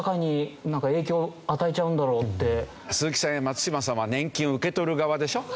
鈴木さんや松嶋さんは年金を受け取る側でしょ。